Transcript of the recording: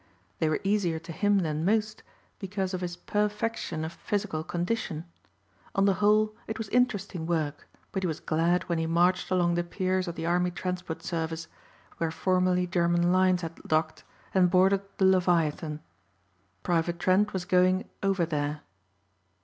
They were easier to him than most because of his perfection of physical condition. On the whole it was interesting work but he was glad when he marched along the piers of the Army Transport Service, where formerly German lines had docked, and boarded the Leviathan. Private Trent was going "over there."